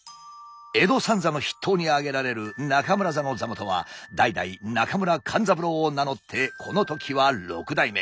江戸三座の筆頭に挙げられる中村座の座元は代々中村勘三郎を名乗ってこの時は六代目。